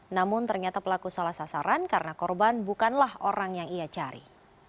namun ternyata pelaku salah sasaran karena korban bukanlah orang yang ia cari